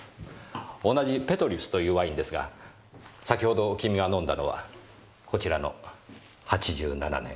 同じ「ペトリュス」というワインですが先程君が飲んだのはこちらの８７年。